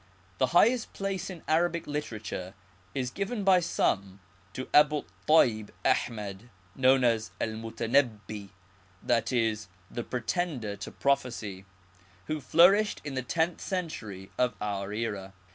The highest place in Arabic literatul^ is given by some Abu ^t T&ib Ahmed, known as El Mutenebbi, that is, 'The pretender to prophecy,' who flourished in the tenth century of our era.